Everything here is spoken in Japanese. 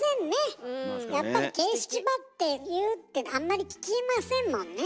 やっぱり形式ばって言うってあんまり聞きませんもんね。